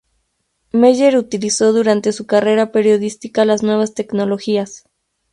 Meyer utilizó durante su carrera periodística las nuevas tecnologías.